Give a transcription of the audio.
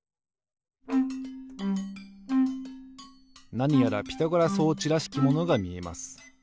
なにやらピタゴラ装置らしきものがみえます。